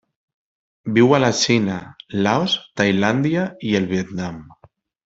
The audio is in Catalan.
Viu a la Xina, Laos, Tailàndia i el Vietnam.